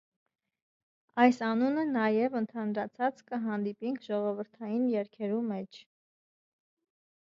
Այս անունը նաեւ ընդհանրացած կը հանդիպինք ժողովրդային երգերու մէջ։